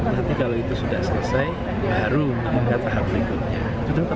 nanti kalau itu sudah selesai baru hingga tahap berikutnya